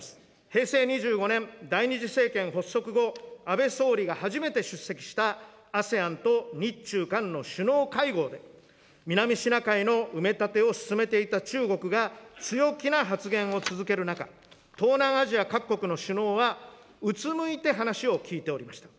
平成２５年、第２次政権発足後、安倍総理が初めて出席したＡＳＥＡＮと日中韓の首脳会合で、南シナ海の埋め立てを進めていた中国が強気な発言を続ける中、東南アジア各国の首脳はうつむいて話を聞いておりました。